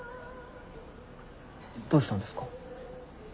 どうしたんですか？